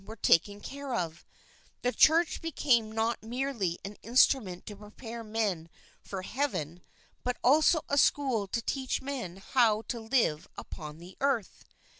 INTRODUCTION were taken care of; the Church became not merely an instrument to prepare men for heaven but also a school to teach men how to live upon the earth.